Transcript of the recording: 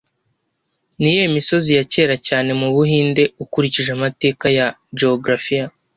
Niyihe misozi ya kera cyane mubuhinde ukurikije amateka ya geografiya